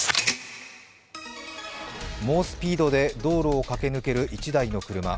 猛スピードで道路を駆け抜ける１台の車。